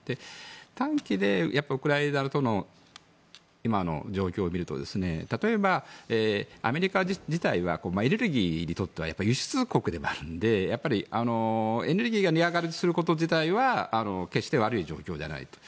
短期で、ウクライナとの今の状況を見ると例えば、アメリカ自体はエネルギーにとっては輸出国でもあるのでエネルギーが値上がりすること自体は決して悪い状況ではないと。